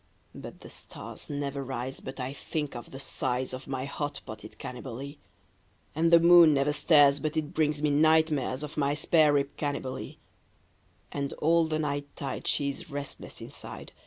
But the stars never rise but I think of the size Of my hot potted Cannibalee, And the moon never stares but it brings me night mares Of my spare rib Cannibalee; And all the night tide she is restless inside.